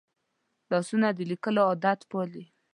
لاسونه د لیکلو عادت پالي